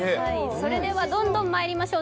それではどんどんまいりましょう。